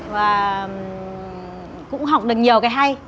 và cũng học được nhiều cái hay